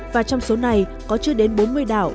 và trong số này có chưa đến bốn mươi đảo